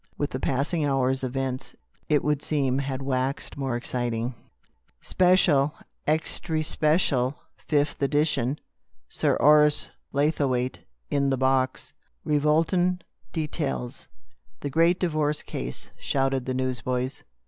With the passing hours, events, it would seem, had waxed more exciting. «; Spesh shul ! Extry Spesh shul ! Fifth Edition! Sir Horace Blaythewaite in the box ! Revolting details ! The great divorce case !" shouted the newsboys.